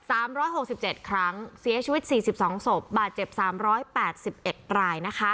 ร้อยหกสิบเจ็ดครั้งเสียชีวิตสี่สิบสองศพบาดเจ็บสามร้อยแปดสิบเอ็ดรายนะคะ